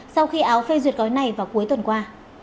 sau khi áo phê duyệt gói này vào cuối tuần qua